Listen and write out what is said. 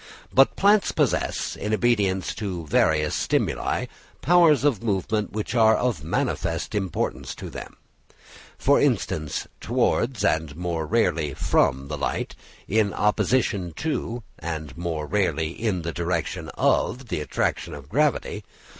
But plants possess, in obedience to various stimuli, powers of movement, which are of manifest importance to them; for instance, towards and more rarely from the light—in opposition to, and more rarely in the direction of, the attraction of gravity.